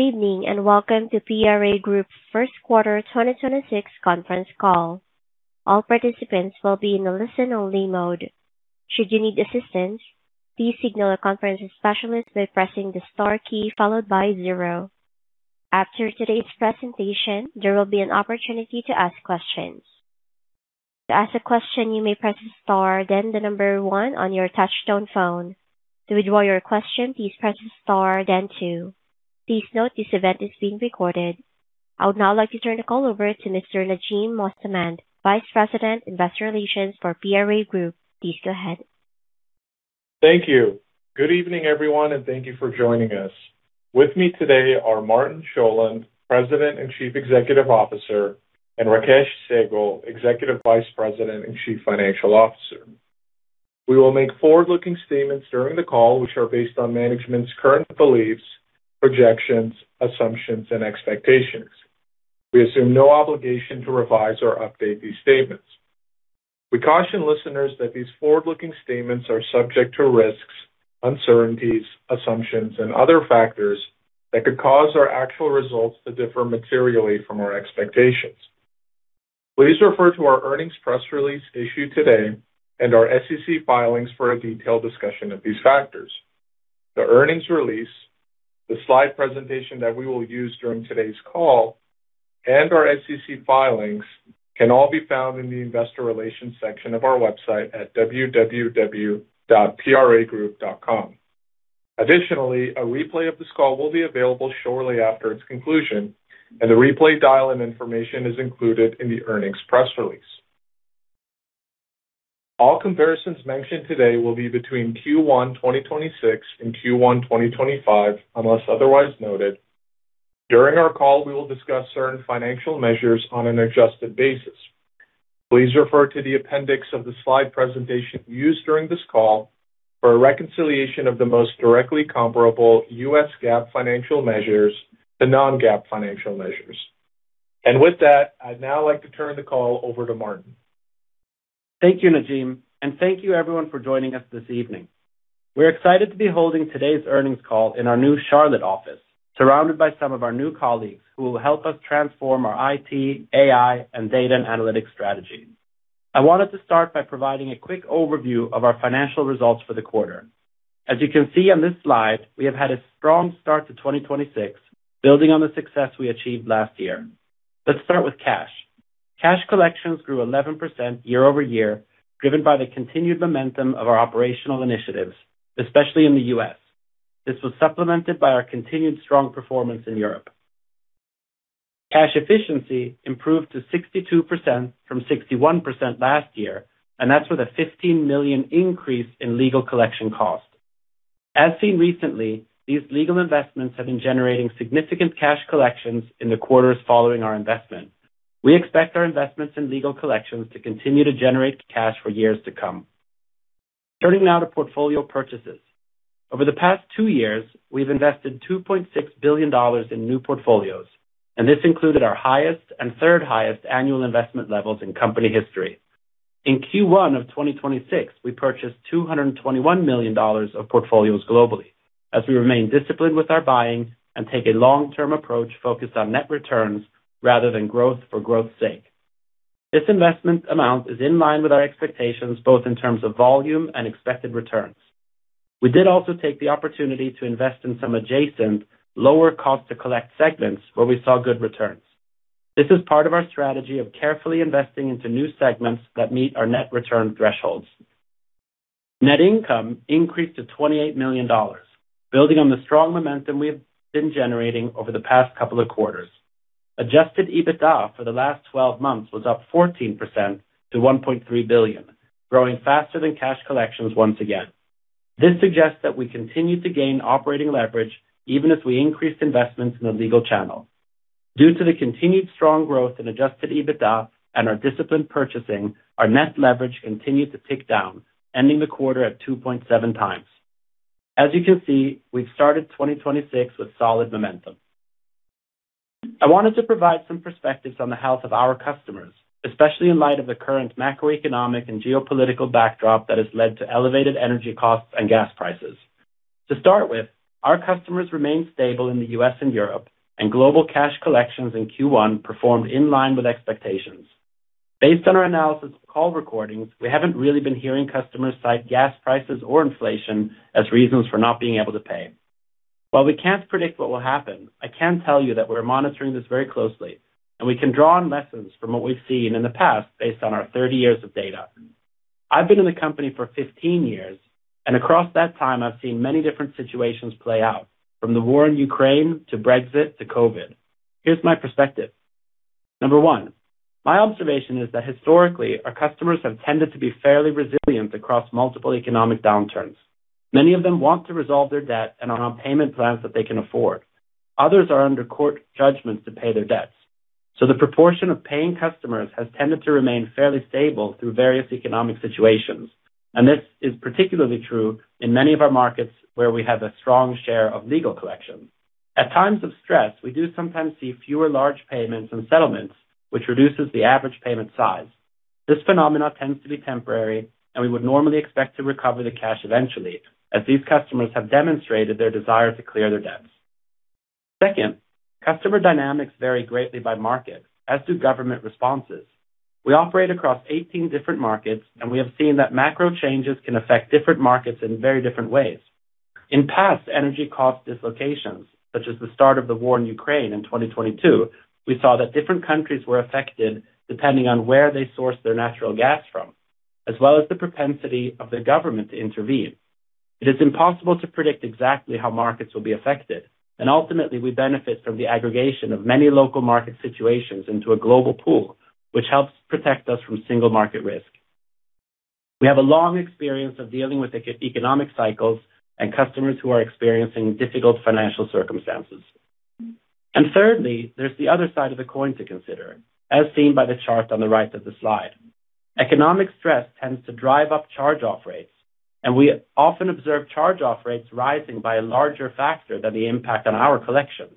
Good evening, and welcome to PRA Group's first quarter 2026 conference call. All participants will be in a listen-only mode. Should you need assistance, please signal a conference specialist by pressing the Star key followed by 0. After today's presentation, there will be an opportunity to ask questions. To ask a question, you may press star then the number oner on your touchtone phone. To withdraw your question, please press star then two. Please note this event is being recorded. I would now like to turn the call over to Mr. Najim Mostamand, Vice President, Investor Relations for PRA Group. Please go ahead. Thank you. Good evening, everyone, and thank you for joining us. With me today are Martin Sjolund, President and Chief Executive Officer, and Rakesh Sehgal, Executive Vice President and Chief Financial Officer. We will make forward-looking statements during the call, which are based on management's current beliefs, projections, assumptions, and expectations. We assume no obligation to revise or update these statements. We caution listeners that these forward-looking statements are subject to risks, uncertainties, assumptions, and other factors that could cause our actual results to differ materially from our expectations. Please refer to our earnings press release issued today and our SEC filings for a detailed discussion of these factors. The earnings release, the slide presentation that we will use during today's call, and our SEC filings can all be found in the investor relations section of our website at www.pragroup.com. Additionally, a replay of this call will be available shortly after its conclusion, and the replay dial-in information is included in the earnings press release. All comparisons mentioned today will be between Q1 2026 and Q1 2025 unless otherwise noted. During our call, we will discuss certain financial measures on an adjusted basis. Please refer to the appendix of the slide presentation used during this call for a reconciliation of the most directly comparable US GAAP financial measures to non-GAAP financial measures. With that, I'd now like to turn the call over to Martin. Thank you, Najim. Thank you everyone for joining us this evening. We're excited to be holding today's earnings call in our new Charlotte office, surrounded by some of our new colleagues who will help us transform our IT, AI, and data and analytics strategy. I wanted to start by providing a quick overview of our financial results for the quarter. As you can see on this slide, we have had a strong start to 2026, building on the success we achieved last year. Let's start with cash. Cash collections grew 11% year-over-year, driven by the continued momentum of our operational initiatives, especially in the U.S. This was supplemented by our continued strong performance in Europe. Cash efficiency improved to 62% from 61% last year, and that's with a $15 million increase in legal collection costs. As seen recently, these legal investments have been generating significant cash collections in the quarters following our investment. We expect our investments in legal collections to continue to generate cash for two years to come. Turning now to portfolio purchases. Over the past two years, we've invested $2.6 billion in new portfolios, and this included our highest and third highest annual investment levels in company history. In Q1 of 2026, we purchased $221 million of portfolios globally as we remain disciplined with our buying and take a long-term approach focused on net returns rather than growth for growth's sake. This investment amount is in line with our expectations, both in terms of volume and expected returns. We did also take the opportunity to invest in some adjacent lower cost to collect segments where we saw good returns. This is part of our strategy of carefully investing into new segments that meet our net return thresholds. Net income increased to $28 million, building on the strong momentum we have been generating over the past couple of quarters. Adjusted EBITDA for the last 12 months was up 14% to $1.3 billion, growing faster than cash collections once again. This suggests that we continue to gain operating leverage even as we increased investments in the legal channel. Due to the continued strong growth in Adjusted EBITDA and our disciplined purchasing, our net leverage continued to tick down, ending the quarter at 2.7 times. As you can see, we've started 2026 with solid momentum. I wanted to provide some perspectives on the health of our customers, especially in light of the current macroeconomic and geopolitical backdrop that has led to elevated energy costs and gas prices. To start with, our customers remain stable in the U.S. and Europe, and global cash collections in Q1 performed in line with expectations. Based on our analysis of call recordings, we haven't really been hearing customers cite gas prices or inflation as reasons for not being able to pay. While we can't predict what will happen, I can tell you that we're monitoring this very closely, and we can draw on lessons from what we've seen in the past based on our 30 years of data. I've been in the company for 15 years, and across that time, I've seen many different situations play out from the war in Ukraine to Brexit to COVID. Here's my perspective. Number one, my observation is that historically, our customers have tended to be fairly resilient across multiple economic downturns. Many of them want to resolve their debt and are on payment plans that they can afford. Others are under court judgments to pay their debts. The proportion of paying customers has tended to remain fairly stable through various economic situations. This is particularly true in many of our markets where we have a strong share of legal collections. At times of stress, we do sometimes see fewer large payments and settlements, which reduces the average payment size. This phenomenon tends to be temporary, and we would normally expect to recover the cash eventually, as these customers have demonstrated their desire to clear their debts. Second, customer dynamics vary greatly by market, as do government responses. We operate across 18 different markets, and we have seen that macro changes can affect different markets in very different ways. In past energy cost dislocations, such as the start of the war in Ukraine in 2022, we saw that different countries were affected depending on where they sourced their natural gas from, as well as the propensity of their government to intervene. It is impossible to predict exactly how markets will be affected, and ultimately we benefit from the aggregation of many local market situations into a global pool, which helps protect us from single market risk. We have a long experience of dealing with economic cycles and customers who are experiencing difficult financial circumstances. Thirdly, there's the other side of the coin to consider, as seen by the chart on the right of the slide. Economic stress tends to drive up charge-off rates, and we often observe charge-off rates rising by a larger factor than the impact on our collections.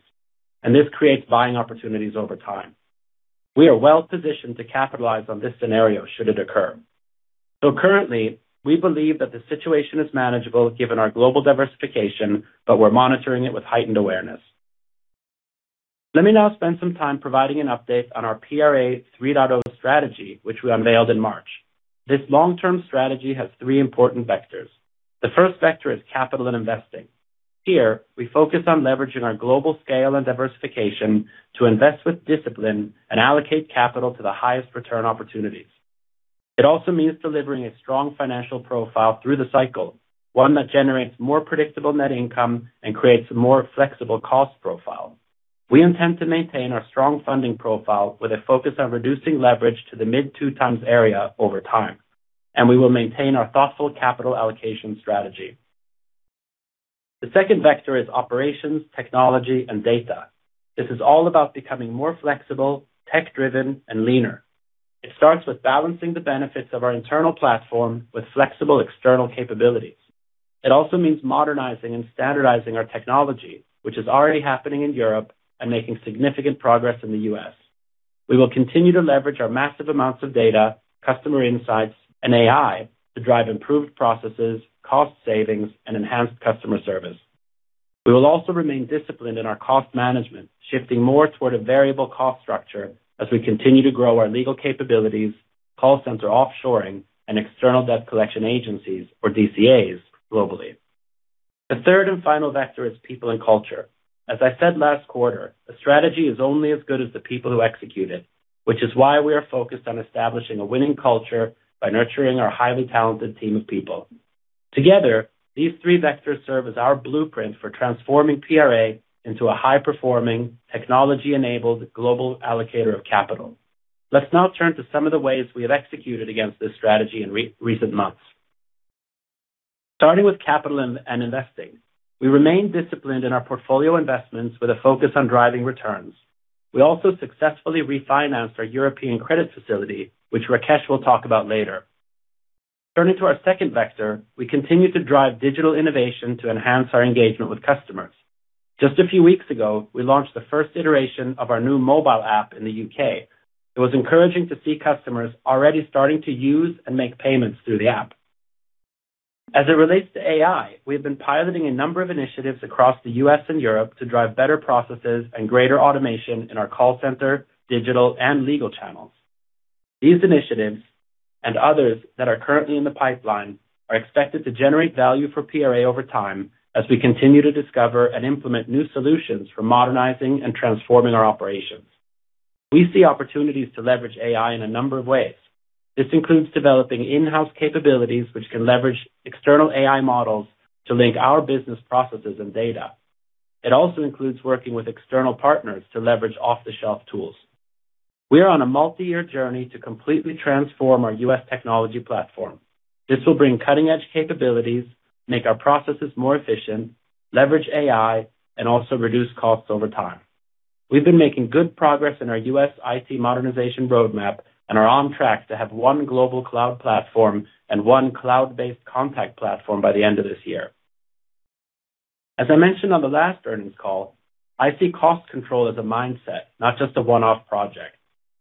This creates buying opportunities over time. We are well-positioned to capitalize on this scenario should it occur. Currently, we believe that the situation is manageable given our global diversification, but we're monitoring it with heightened awareness. Let me now spend some time providing an update on our PRA 3.0 strategy, which we unveiled in March. This long-term strategy has three important vectors. The first vector is capital and investing. Here, we focus on leveraging our global scale and diversification to invest with discipline and allocate capital to the highest return opportunities. It also means delivering a strong financial profile through the cycle, one that generates more predictable net income and creates a more flexible cost profile. We intend to maintain our strong funding profile with a focus on reducing leverage to the mid two times area over time. We will maintain our thoughtful capital allocation strategy. The second vector is operations, technology, and data. This is all about becoming more flexible, tech-driven, and leaner. It starts with balancing the benefits of our internal platform with flexible external capabilities. It also means modernizing and standardizing our technology, which is already happening in Europe and making significant progress in the U.S. We will continue to leverage our massive amounts of data, customer insights, and AI to drive improved processes, cost savings, and enhanced customer service. We will also remain disciplined in our cost management, shifting more toward a variable cost structure as we continue to grow our legal capabilities, call center offshoring, and external debt collection agencies, or DCAs globally. The third and final vector is people and culture. As I said last quarter, a strategy is only as good as the people who execute it, which is why we are focused on establishing a winning culture by nurturing our highly talented team of people. Together, these three vectors serve as our blueprint for transforming PRA into a high-performing, technology-enabled global allocator of capital. Let's now turn to some of the ways we have executed against this strategy in recent months. starting with capital and investing, we remain disciplined in our portfolio investments with a focus on driving returns. We also successfully refinanced our European credit facility, which Rakesh will talk about later. Turning to our second vector, we continue to drive digital innovation to enhance our engagement with customers. Just a few weeks ago, we launched the first iteration of our new mobile app in the U.K. It was encouraging to see customers already starting to use and make payments through the app. As it relates to AI, we have been piloting a number of initiatives across the U.S. and Europe to drive better processes and greater automation in our call center, digital, and legal channels. These initiatives, and others that are currently in the pipeline, are expected to generate value for PRA over time as we continue to discover and implement new solutions for modernizing and transforming our operations. We see opportunities to leverage AI in a number of ways. This includes developing in-house capabilities which can leverage external AI models to link our business processes and data. It also includes working with external partners to leverage off-the-shelf tools. We are on a multi-year journey to completely transform our U.S. technology platform. This will bring cutting-edge capabilities, make our processes more efficient, leverage AI, and also reduce costs over time. We've been making good progress in our U.S. IT modernization roadmap and are on track to have one global cloud platform and one cloud-based contact platform by the end of this year. As I mentioned on the last earnings call, I see cost control as a mindset, not just a one-off project.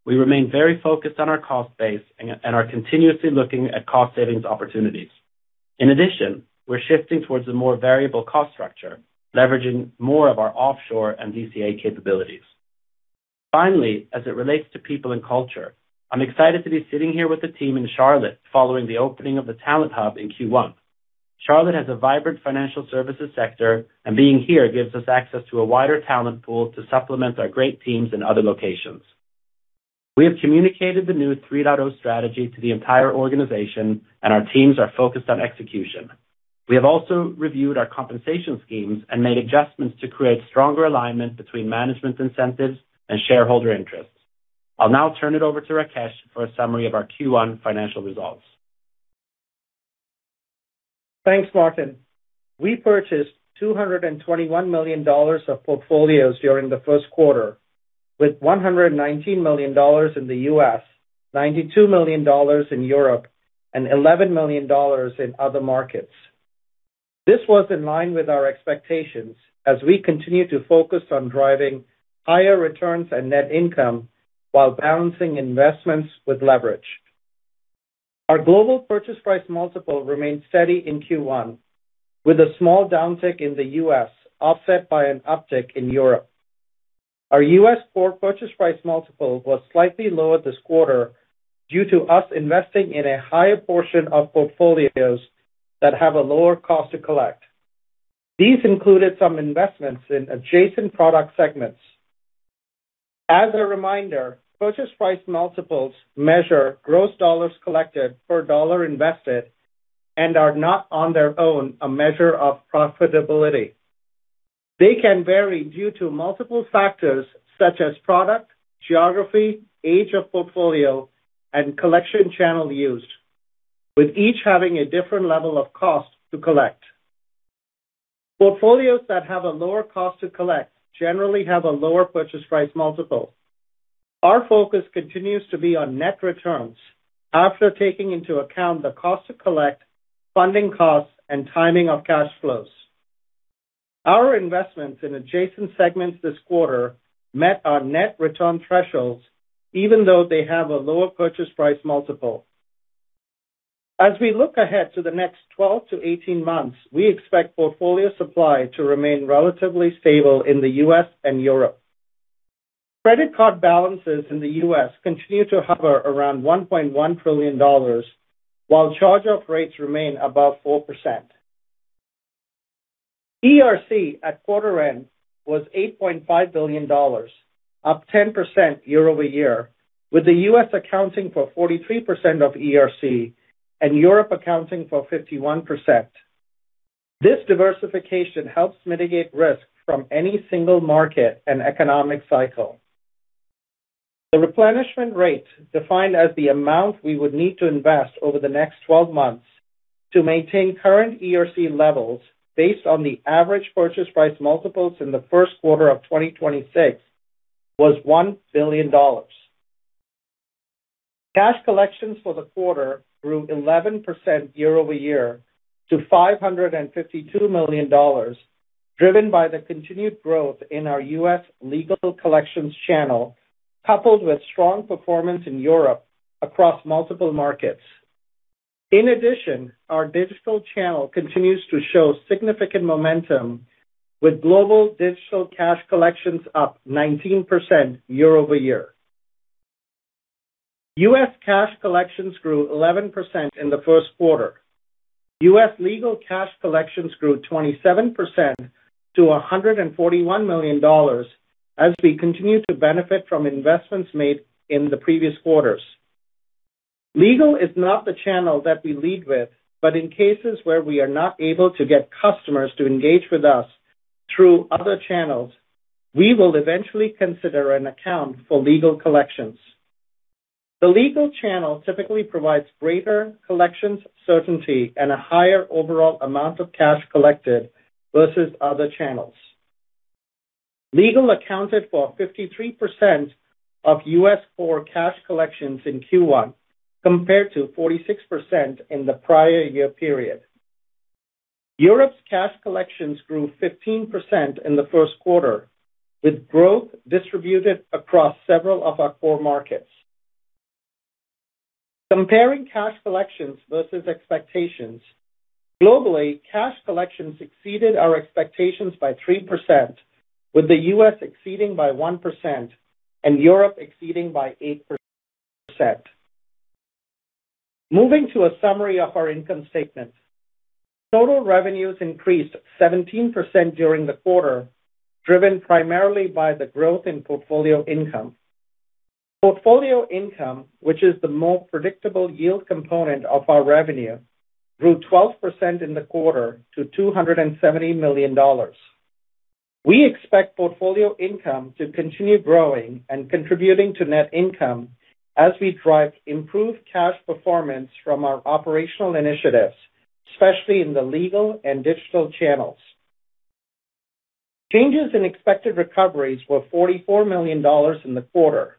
We remain very focused on our cost base and are continuously looking at cost savings opportunities. In addition, we're shifting towards a more variable cost structure, leveraging more of our offshore and DCA capabilities. Finally, as it relates to people and culture, I'm excited to be sitting here with the team in Charlotte following the opening of the talent hub in Q1. Charlotte has a vibrant financial services sector, and being here gives us access to a wider talent pool to supplement our great teams in other locations. We have communicated the new 3.0 strategy to the entire organization, and our teams are focused on execution. We have also reviewed our compensation schemes and made adjustments to create stronger alignment between management incentives and shareholder interests. I'll now turn it over to Rakesh for a summary of our Q1 financial results. Thanks, Martin. We purchased $221 million of portfolios during the first quarter, with $119 million in the U.S., $92 million in Europe, and $11 million in other markets. This was in line with our expectations as we continue to focus on driving higher returns and net income while balancing investments with leverage. Our global purchase price multiple remained steady in Q1, with a small downtick in the U.S. offset by an uptick in Europe. Our U.S. portfolio purchase price multiple was slightly lower this quarter due to us investing in a higher portion of portfolios that have a lower cost to collect. These included some investments in adjacent product segments. As a reminder, purchase price multiples measure gross dollars collected per dollar invested and are not on their own a measure of profitability. They can vary due to multiple factors such as product, geography, age of portfolio, and collection channel used, with each having a different level of cost to collect. Portfolios that have a lower cost to collect generally have a lower purchase price multiple. Our focus continues to be on net returns after taking into account the cost to collect funding costs and timing of cash flows. Our investments in adjacent segments this quarter met our net return thresholds even though they have a lower purchase price multiple. As we look ahead to the next 12 to 18 months, we expect portfolio supply to remain relatively stable in the U.S. and Europe. Credit card balances in the U.S. continue to hover around $1.1 trillion while charge-off rates remain above 4%. ERC at quarter end was $8.5 billion, up 10% year-over-year, with the U.S. accounting for 43% of ERC and Europe accounting for 51%. This diversification helps mitigate risk from any single market and economic cycle. The replenishment rate, defined as the amount we would need to invest over the next 12 months to maintain current ERC levels based on the average purchase price multiples in the first quarter of 2026 was $1 billion. Cash collections for the quarter grew 11% year-over-year to $552 million, driven by the continued growth in our U.S. legal collections channel coupled with strong performance in Europe across multiple markets. In addition, our digital channel continues to show significant momentum with global digital cash collections up 19% year-over-year. U.S. cash collections grew 11% in the first quarter. U.S. legal cash collections grew 27% to $141 million as we continue to benefit from investments made in the previous quarters. Legal is not the channel that we lead with, but in cases where we are not able to get customers to engage with us through other channels, we will eventually consider an account for legal collections. The legal channel typically provides greater collections certainty and a higher overall amount of cash collected versus other channels. Legal accounted for 53% of U.S. core cash collections in Q1 compared to 46% in the prior year period. Europe's cash collections grew 15% in the first quarter, with growth distributed across several of our core markets. Comparing cash collections versus expectations. Globally, cash collections exceeded our expectations by 3%, with the U.S. exceeding by 1% and Europe exceeding by 8%. To a summary of our income statement. Total revenues increased 17% during the quarter, driven primarily by the growth in portfolio income. Portfolio income, which is the more predictable yield component of our revenue, grew 12% in the quarter to $270 million. We expect portfolio income to continue growing and contributing to net income as we drive improved cash performance from our operational initiatives, especially in the legal and digital channels. Changes in expected recoveries were $44 million in the quarter.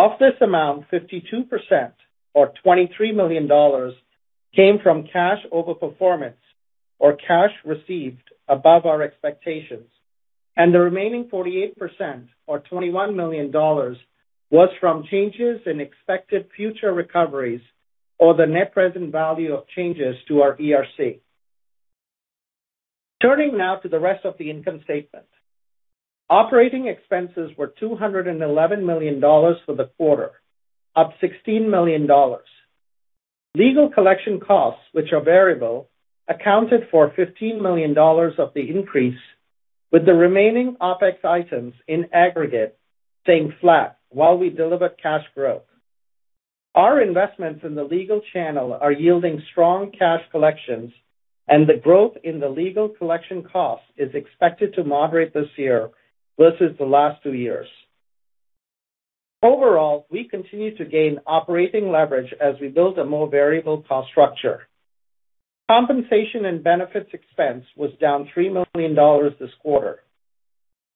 Of this amount, 52%, or $23 million came from cash overperformance or cash received above our expectations, and the remaining 48%, or $21 million was from changes in expected future recoveries or the net present value of changes to our ERC. Turning now to the rest of the income statement. Operating expenses were $211 million for the quarter, up $16 million. Legal collection costs, which are variable, accounted for $15 million of the increase, with the remaining OpEx items in aggregate staying flat while we delivered cash growth. Our investments in the legal channel are yielding strong cash collections and the growth in the legal collection cost is expected to moderate this year versus the last two years. Overall, we continue to gain operating leverage as we build a more variable cost structure. Compensation and benefits expense was down $3 million this quarter.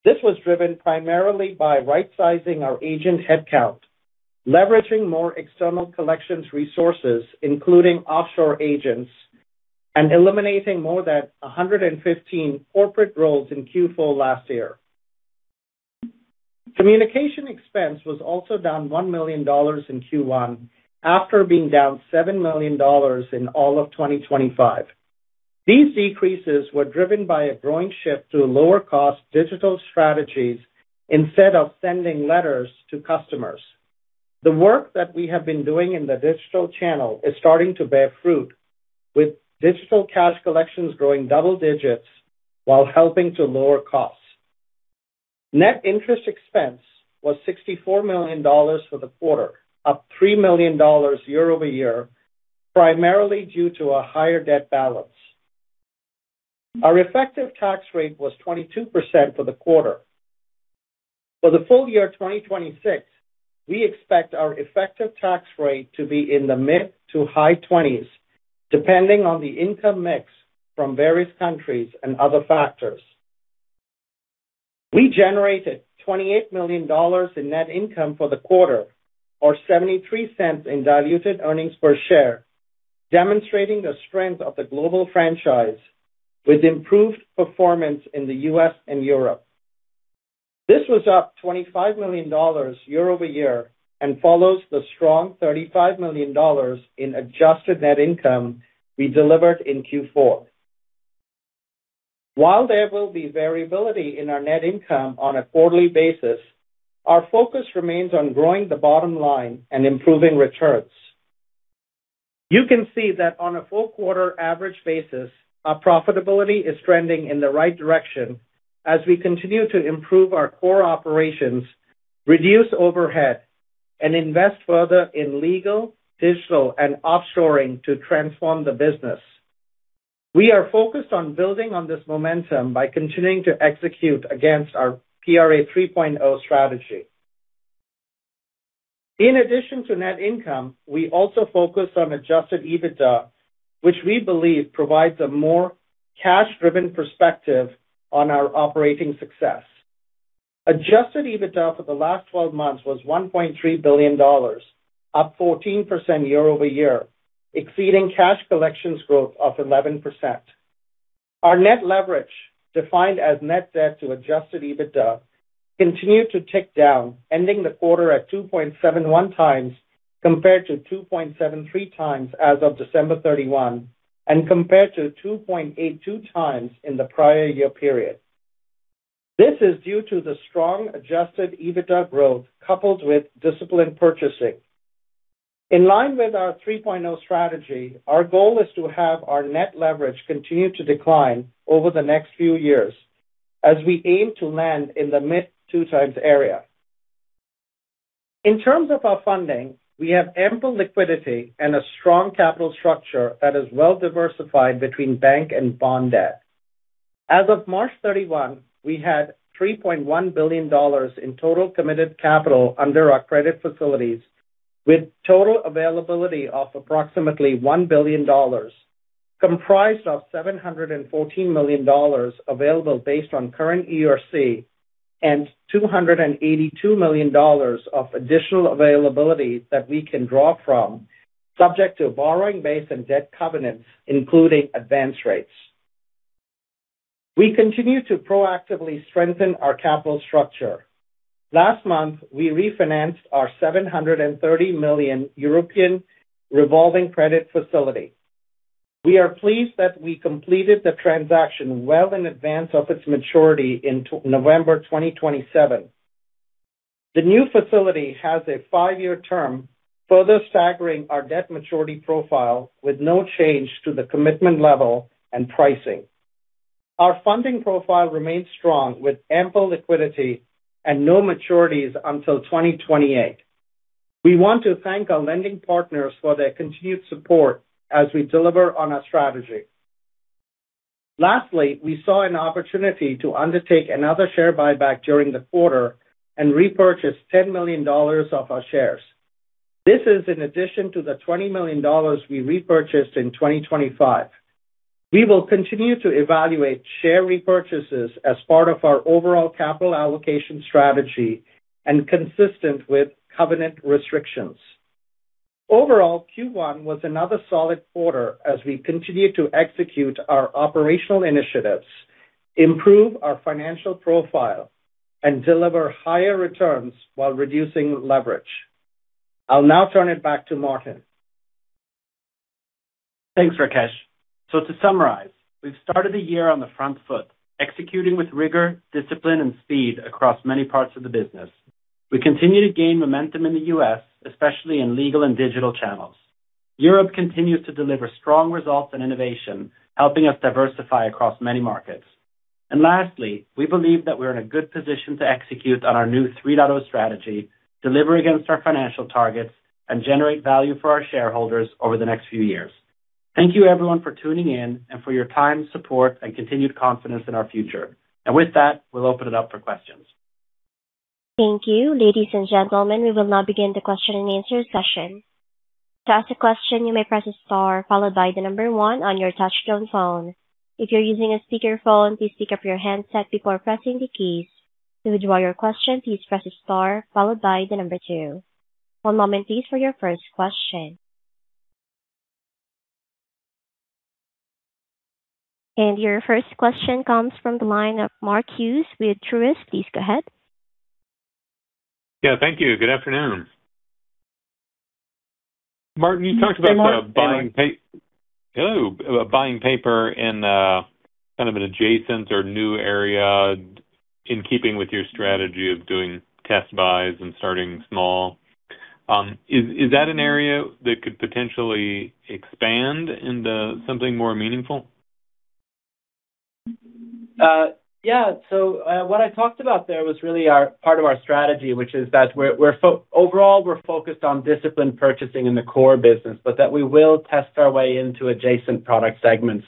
This was driven primarily by right-sizing our agent headcount, leveraging more external collections resources, including offshore agents, and eliminating more than 115 corporate roles in Q4 last year. Communication expense was also down $1 million in Q1 after being down $7 million in all of 2025. These decreases were driven by a growing shift to lower cost digital strategies instead of sending letters to customers. The work that we have been doing in the digital channel is starting to bear fruit, with digital cash collections growing double digits while helping to lower costs. Net interest expense was $64 million for the quarter, up $3 million year-over-year, primarily due to a higher debt balance. Our effective tax rate was 22% for the quarter. For the full year 2026, we expect our effective tax rate to be in the mid-to-high 20s, depending on the income mix from various countries and other factors. We generated $28 million in net income for the quarter, or $0.73 in diluted earnings per share, demonstrating the strength of the global franchise with improved performance in the U.S. and Europe. This was up $25 million year-over-year and follows the strong $35 million in adjusted net income we delivered in Q4. While there will be variability in our net income on a quarterly basis, our focus remains on growing the bottom line and improving returns. You can see that on a full quarter average basis, our profitability is trending in the right direction as we continue to improve our core operations, reduce overhead, and invest further in legal, digital, and offshoring to transform the business. We are focused on building on this momentum by continuing to execute against our PRA 3.0 strategy. In addition to net income, we also focus on Adjusted EBITDA, which we believe provides a more cash-driven perspective on our operating success. Adjusted EBITDA for the last 12 months was $1.3 billion, up 14% year-over-year, exceeding cash collections growth of 11%. Our net leverage, defined as net debt to Adjusted EBITDA, continued to tick down, ending the quarter at 2.71x compared to 2.73x as of December 31 and compared to 2.82x in the prior year period. This is due to the strong Adjusted EBITDA growth coupled with disciplined purchasing. In line with our PRA 3.0 strategy, our goal is to have our net leverage continue to decline over the next few years as we aim to land in the mid 2x area. In terms of our funding, we have ample liquidity and a strong capital structure that is well-diversified between bank and bond debt. As of March 31, we had $3.1 billion in total committed capital under our credit facilities, with total availability of approximately $1 billion, comprised of $714 million available based on current ERC and $282 million of additional availability that we can draw from subject to borrowing base and debt covenants, including advance rates. We continue to proactively strengthen our capital structure. Last month, we refinanced our $730 million European revolving credit facility. We are pleased that we completed the transaction well in advance of its maturity into November 2027. The new facility has a 5-year term, further staggering our debt maturity profile with no change to the commitment level and pricing. Our funding profile remains strong with ample liquidity and no maturities until 2028. We want to thank our lending partners for their continued support as we deliver on our strategy. We saw an opportunity to undertake another share buyback during the quarter and repurchase $10 million of our shares. This is in addition to the $20 million we repurchased in 2025. We will continue to evaluate share repurchases as part of our overall capital allocation strategy and consistent with covenant restrictions. Overall, Q1 was another solid quarter as we continue to execute our operational initiatives, improve our financial profile, and deliver higher returns while reducing leverage. I'll now turn it back to Martin. Thanks, Rakesh. To summarize, we've started the year on the front foot, executing with rigor, discipline, and speed across many parts of the business. We continue to gain momentum in the U.S., especially in legal and digital channels. Europe continues to deliver strong results and innovation, helping us diversify across many markets. Lastly, we believe that we're in a good position to execute on our new 3.0 strategy, deliver against our financial targets, and generate value for our shareholders over the next few years. Thank you, everyone, for tuning in and for your time, support, and continued confidence in our future. With that, we'll open it up for questions. Thank you. Ladies and gentlemen, we will now begin the question and answer session. To ask a question, you may press star followed by the number 1 on your touchtone phone. If you're using a speakerphone, please pick up your handset before pressing the keys. To withdraw your question, please press star followed by the number 2. One moment please for your first question. And your first question comes from the line of Mark Hughes with Truist. Please go ahead. Thank you. Good afternoon. Martin, you talked about buying paper in kind of an adjacent or new area in keeping with your strategy of doing test buys and starting small. Is that an area that could potentially expand into something more meaningful? What I talked about there was really part of our strategy, which is that overall, we're focused on disciplined purchasing in the core business, but that we will test our way into adjacent product segments.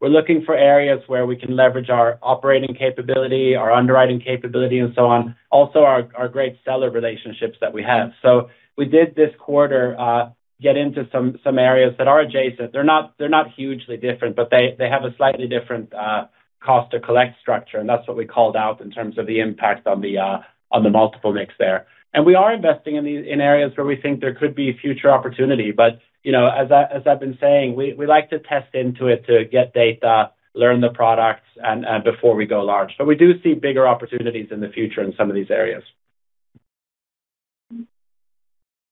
We're looking for areas where we can leverage our operating capability, our underwriting capability and so on. Also our great seller relationships that we have. We did this quarter, get into some areas that are adjacent. They're not hugely different, but they have a slightly different cost to collect structure, and that's what we called out in terms of the impact on the multiple mix there. We are investing in areas where we think there could be future opportunity. You know, as I've been saying, we like to test into it to get data, learn the products and before we go large. We do see bigger opportunities in the future in some of these areas.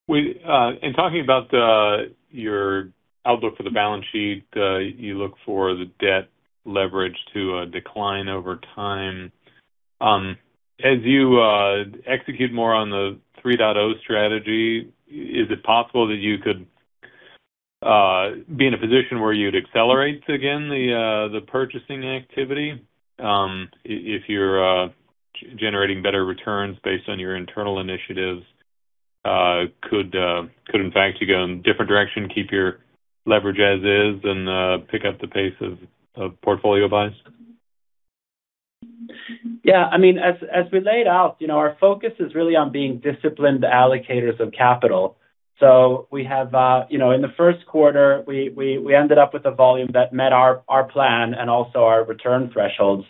We, in talking about your outlook for the balance sheet, you look for the debt leverage to decline over time. As you execute more on the PRA 3.0 strategy, is it possible that you could be in a position where you'd accelerate again the purchasing activity, if you're generating better returns based on your internal initiatives, could in fact you go in different direction, keep your leverage as is and pick up the pace of portfolio buys? Yeah. I mean, as we laid out, you know, our focus is really on being disciplined allocators of capital. We have, you know, in the first quarter, we ended up with a volume that met our plan and also our return thresholds.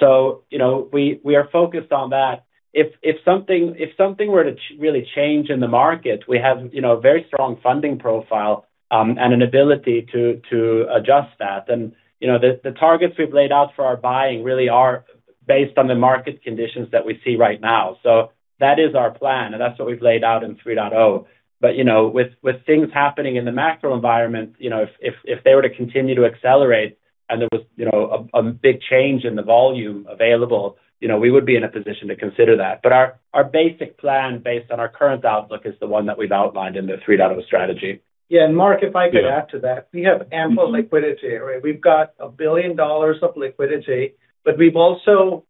You know, we are focused on that. If something were to really change in the market, we have, you know, very strong funding profile, and an ability to adjust that. You know, the targets we've laid out for our buying really are based on the market conditions that we see right now. That is our plan, and that's what we've laid out in PRA 3.0. You know, with things happening in the macro environment, you know, if they were to continue to accelerate and there was, you know, a big change in the volume available, you know, we would be in a position to consider that. Our basic plan based on our current outlook is the one that we've outlined in the PRA 3.0 strategy. Yeah. Yeah. Mark, if I could add to that. We have ample liquidity, right? We've got $1 billion of liquidity, but we've also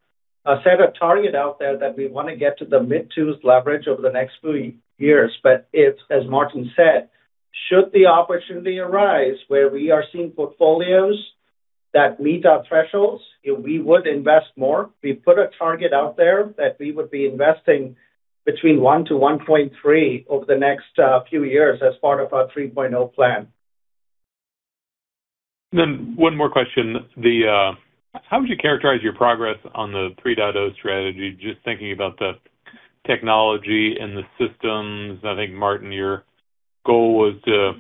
set a target out there that we wanna get to the mid-2s leverage over the next few years. If, as Martin said, should the opportunity arise where we are seeing portfolios that meet our thresholds, we would invest more. We've put a target out there that we would be investing between $1 billion to $1.3 billion over the next few years as part of our PRA 3.0 plan. One more question. How would you characterize your progress on the PRA 3.0 strategy? Just thinking about the technology and the systems. I think, Martin, your goal was to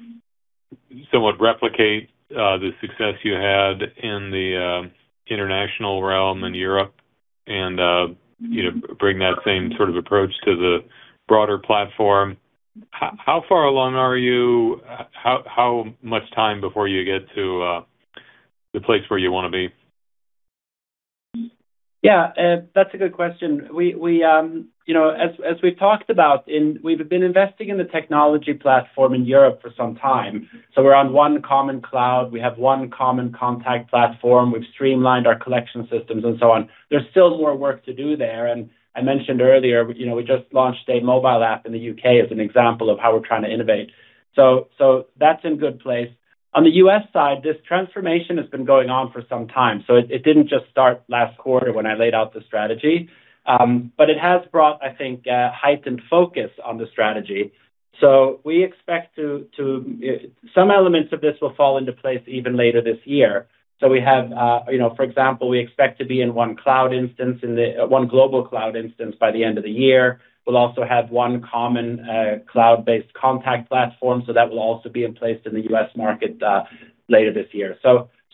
somewhat replicate the success you had in the international realm in Europe and, you know, bring that same sort of approach to the broader platform. How far along are you? How much time before you get to the place where you wanna be? Yeah. That's a good question. We, you know, as we've talked about, we've been investing in the technology platform in Europe for some time. We're on one common cloud. We have one common contact platform. We've streamlined our collection systems and so on. There's still more work to do there. I mentioned earlier, you know, we just launched a mobile app in the U.K. as an example of how we're trying to innovate. That's in good place. On the U.S. side, this transformation has been going on for some time, so it didn't just start last quarter when I laid out the strategy. It has brought, I think, heightened focus on the strategy. We expect some elements of this will fall into place even later this year. We have, you know, for example, we expect to be in one cloud instance, 1 global cloud instance by the end of the year. We'll also have 1 common, cloud-based contact platform. That will also be in place in the U.S. market later this year.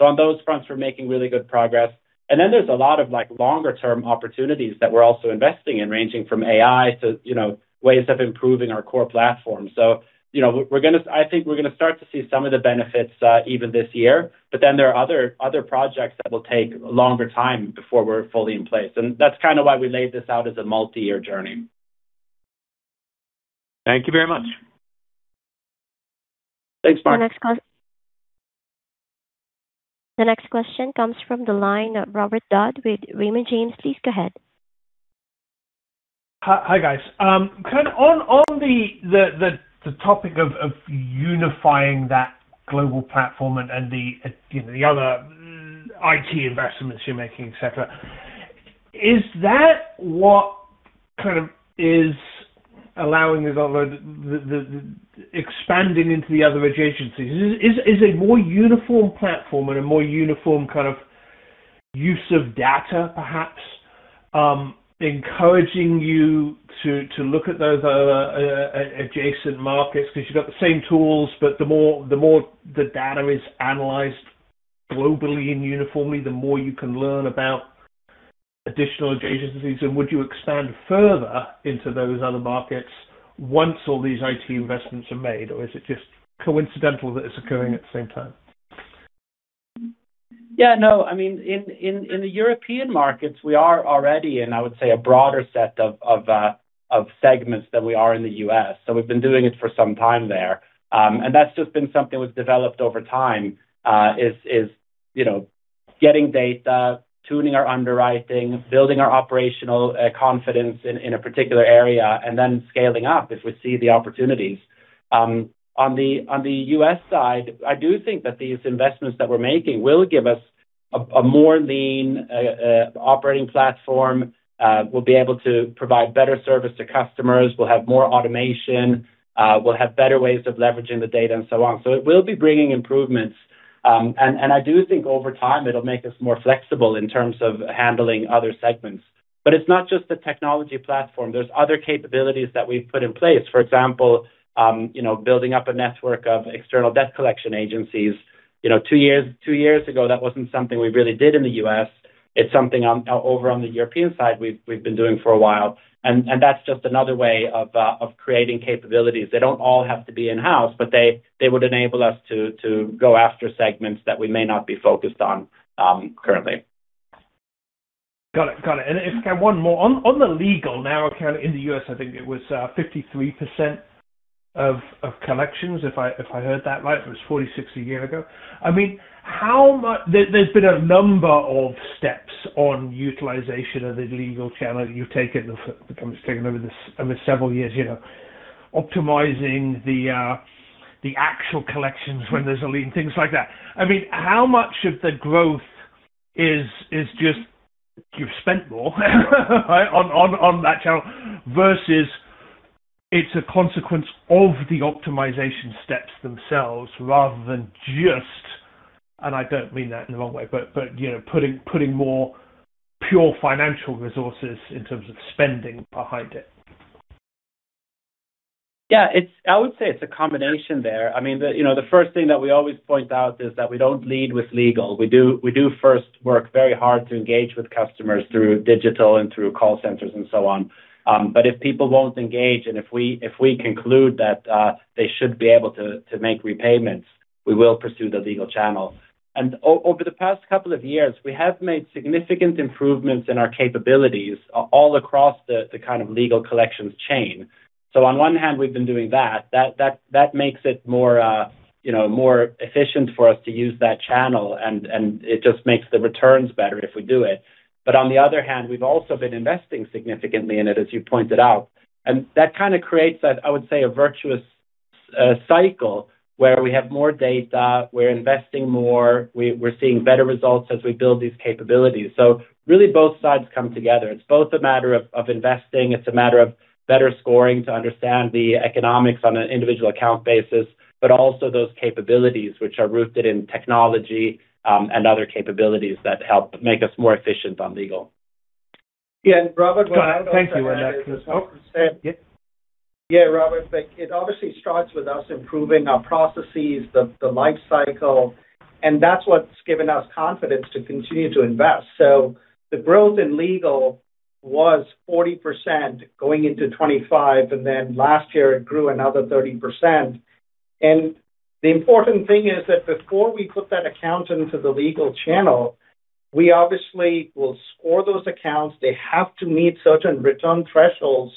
On those fronts, we're making really good progress. There's a lot of like, longer term opportunities that we're also investing in, ranging from AI to, you know, ways of improving our core platform. You know, I think we're gonna start to see some of the benefits even this year. There are other projects that will take longer time before we're fully in place. That's kinda why we laid this out as a multi-year journey. Thank you very much. Thanks, Mark. The next question comes from the line of Robert Dodd with Raymond James. Please go ahead. Hi, hi guys. Kind of on the topic of unifying that global platform and, you know, the other-IT investments you're making, et cetera. Is that what kind of is allowing you to the expanding into the other agencies? Is a more uniform platform and a more uniform kind of use of data perhaps, encouraging you to look at those other, uh, adjacent markets 'cause you've got the same tools, but the more the data is analyzed globally and uniformly, the more you can learn about additional adjacent agencies. Would you expand further into those other markets once all these IT investments are made, or is it just coincidental that it's occurring at the same time? Yeah. No. I mean, in the European markets, we are already in, I would say, a broader set of segments than we are in the U.S. We've been doing it for some time there. That's just been something that was developed over time, is, you know, getting data, tuning our underwriting, building our operational confidence in a particular area, and then scaling up if we see the opportunities. On the U.S. side, I do think that these investments that we're making will give us a more lean operating platform. We'll be able to provide better service to customers. We'll have more automation. We'll have better ways of leveraging the data and so on. It will be bringing improvements. I do think over time it'll make us more flexible in terms of handling other segments. It's not just the technology platform. There's other capabilities that we've put in place. For example, you know, building up a network of external debt collection agencies. You know, two years, two years ago, that wasn't something we really did in the U.S. It's something on over on the European side we've been doing for a while, and that's just another way of creating capabilities. They don't all have to be in-house, but they would enable us to go after segments that we may not be focused on currently. Got it. Got it. If I can have one more. On the legal now account in the U.S., I think it was 53% of collections if I heard that right. It was 46% a year ago. I mean, how much there's been a number of steps on utilization of the legal channel you've taken, the company's taken over several years, you know, optimizing the actual collections when there's a lien, things like that. I mean, how much of the growth is just you've spent more right? On that channel versus it's a consequence of the optimization steps themselves rather than just and I don't mean that in the wrong way, but, you know, putting more pure financial resources in terms of spending behind it? Yeah. It's I would say it's a combination there. I mean, you know, the first thing that we always point out is that we don't lead with legal. We do first work very hard to engage with customers through digital and through call centers and so on. If people won't engage and if we conclude that they should be able to make repayments, we will pursue the legal channel. Over the past couple of years, we have made significant improvements in our capabilities all across the kind of legal collections chain. On one hand, we've been doing that. That makes it more, you know, more efficient for us to use that channel, and it just makes the returns better if we do it. On the other hand, we've also been investing significantly in it, as you pointed out. That kind of creates a, I would say, a virtuous cycle where we have more data, we're investing more, we're seeing better results as we build these capabilities. Really both sides come together. It's both a matter of investing, it's a matter of better scoring to understand the economics on an individual account basis, but also those capabilities which are rooted in technology and other capabilities that help make us more efficient on legal. Yeah. Robert, what I'd also add is. Got it. Thank you. oh. Yeah. Robert, like it obviously starts with us improving our processes, the life cycle, and that's what's given us confidence to continue to invest. The growth in legal was 40% going into 2025, and then last year it grew another 30%. The important thing is that before we put that account into the legal channel, we obviously will score those accounts. They have to meet certain return thresholds,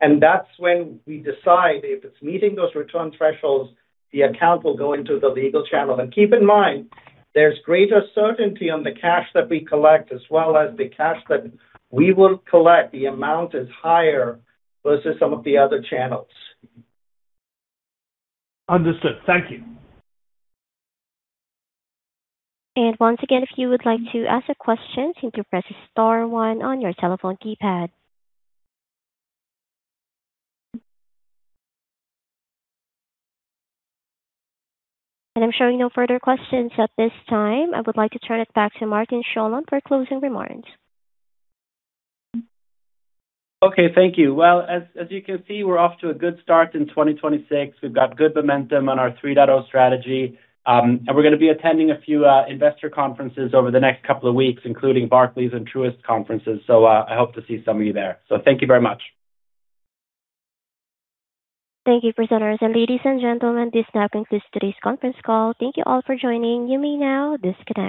and that's when we decide if it's meeting those return thresholds, the account will go into the legal channel. Keep in mind, there's greater certainty on the cash that we collect as well as the cash that we will collect. The amount is higher versus some of the other channels. Understood. Thank you. Once again, if you would like to ask a question, simply press star one on your telephone keypad. I'm showing no further questions at this time. I would like to turn it back to Martin Sjolund for closing remarks. Okay. Thank you. Well, as you can see, we're off to a good start in 2026. We've got good momentum on our 3.0 strategy. We're gonna be attending a few investor conferences over the next couple of weeks, including Barclays and Truist conferences. I hope to see some of you there. Thank you very much. Thank you, presenters. Ladies and gentlemen, this now concludes today's conference call. Thank you all for joining. You may now disconnect.